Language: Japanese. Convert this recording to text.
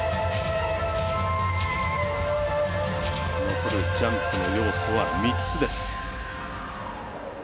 残るジャンプの要素は３つです。